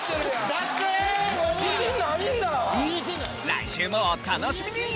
来週もお楽しみに！